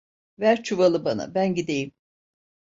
Ver çuvalı bana, ben gideyim!